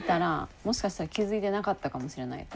もしかしたら気付いてなかったかもしれないと思う。